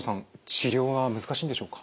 治療は難しいんでしょうか？